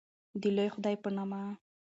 د لوی خدای په نامه